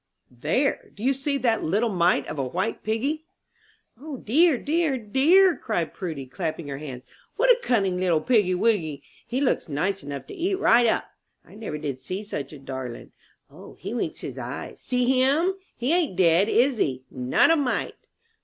There, do you see that little mite of a white piggy?" "O, dear, dear, dear!" cried Prudy, clapping her hands, "what a cunning little piggy wiggy! He looks nice enough to eat right up! I never did see such a darling! O, he winks his eyes see him! He ain't dead, is he? Not a mite?"